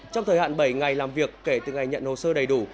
trong thời hạn bảy ngày làm việc kể từ ngày nhận hồ sơ đầy đủ